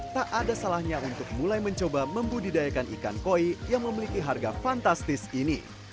tak ada salahnya untuk mulai mencoba membudidayakan ikan koi yang memiliki harga fantastis ini